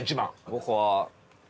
僕は。